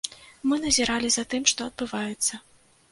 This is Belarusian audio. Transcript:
Мы назіралі за тым, што адбываецца.